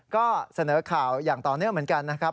ก็เสนอข่าวอย่างต่อเนื่องเหมือนกันนะครับ